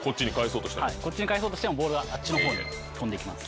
はいこっちに返そうとしてもボールがあっちの方に飛んでいきます。